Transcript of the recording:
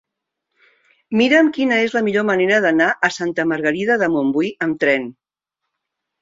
Mira'm quina és la millor manera d'anar a Santa Margarida de Montbui amb tren.